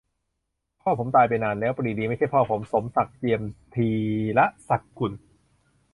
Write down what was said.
"พ่อผมตายไปนานแล้ว ปรีดีไม่ใช่พ่อผม" - สมศักดิ์ เจียมธีรสกุล